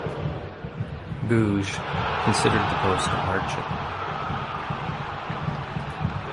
Googe considered the post a hardship.